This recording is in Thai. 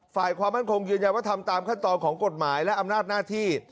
ฝ่ายความมั่นคงยืนยันว่าทำตามขั้นตอนของกฎหมายและอำนาจหน้าที่